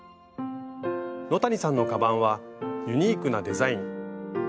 野谷さんのカバンはユニークなデザイン。